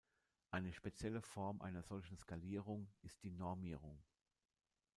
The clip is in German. Eine spezielle Form einer solchen Skalierung ist die Normierung.